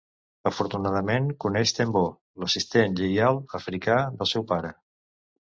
Afortunadament, coneix Tenbo, l'assistent lleial africà del seu pare.